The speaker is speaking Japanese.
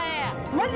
マジ？